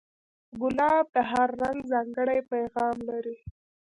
ګلاب د هر رنگ ځانګړی پیغام لري.